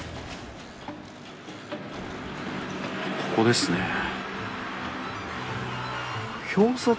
ここですね。